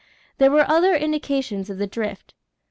There were other indications of the drift.